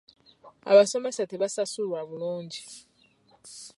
Abasomesa tebasasulwa bulungi.